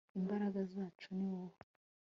imbaraga zacu ni wowe